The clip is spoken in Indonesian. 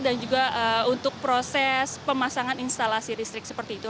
dan juga untuk proses pemasangan instalasi listrik seperti itu